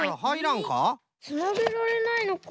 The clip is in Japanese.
つなげられないのか。